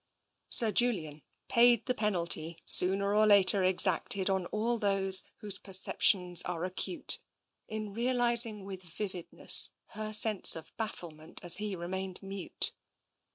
Sir Julian paid the penalty sooner or later exacted of all those whose perceptions are acute, in realising with vividness her sense of bafflement as he remained mute.